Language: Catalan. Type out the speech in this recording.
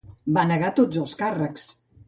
Va negar tots els càrrecs.